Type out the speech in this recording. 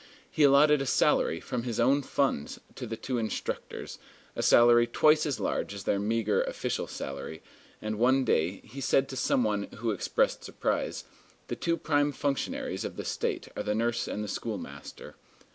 He allotted a salary from his own funds to the two instructors, a salary twice as large as their meagre official salary, and one day he said to some one who expressed surprise, "The two prime functionaries of the state are the nurse and the schoolmaster."